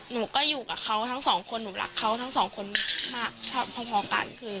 หนูก็อยู่กับเขาทั้งสองคนหนูรักเขาทั้งสองคนมากพอกันคือ